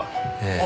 ええ。